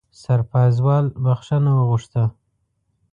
سرپازوال بښنه وغوښته.